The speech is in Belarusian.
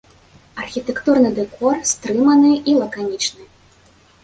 Архітэктурны дэкор стрыманы і лаканічны.